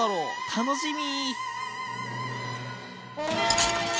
楽しみ！